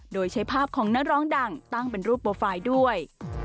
โดยใช้ภาพของนักร้องดังตั้งเป็นรูปโปรไฟล์ด้วย